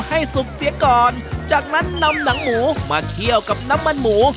สุกเสียก่อนจากนั้นนำหนังหมูมาเคี่ยวกับน้ำมันหมู